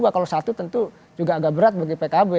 kalau satu tentu juga agak berat bagi pkb